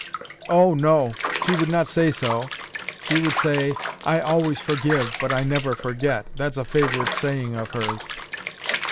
"Oh, no; she would not say so. She would say, 'I always forgive, but I never forget.' That's a favourite saying of hers."